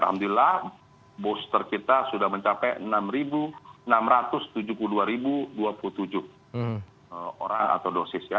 alhamdulillah booster kita sudah mencapai enam enam ratus tujuh puluh dua dua puluh tujuh orang atau dosis ya